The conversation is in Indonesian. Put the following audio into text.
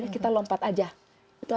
kita lompat aja